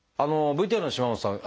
ＶＴＲの島本さん